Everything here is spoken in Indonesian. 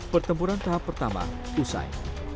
pertempuran tahap pertama usai